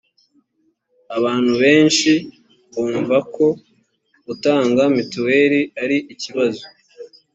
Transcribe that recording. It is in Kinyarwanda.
abantu benshi bumva ko gutanga mituweli ari ikibazo